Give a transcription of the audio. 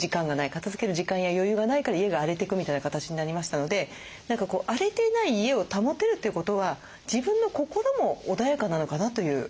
片づける時間や余裕がないから家が荒れていくみたいな形になりましたので何か荒れてない家を保てるということは自分の心も穏やかなのかなという。